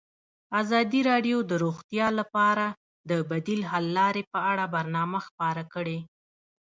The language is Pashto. ازادي راډیو د روغتیا لپاره د بدیل حل لارې په اړه برنامه خپاره کړې.